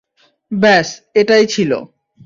ব্যস এটাই ছিল।